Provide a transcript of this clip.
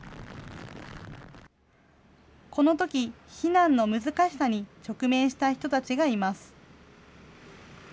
このとき、避難の難しさに直面した人たちがいます。